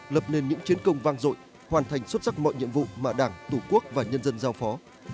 lập nên những chiến công vang dội hoàn thành xuất sắc mọi nhiệm vụ mà đảng tổ quốc và nhân dân giao phó